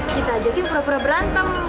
kita ajakin pura pura berantem